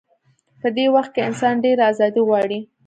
په دې وخت کې انسان ډېره ازادي غواړي.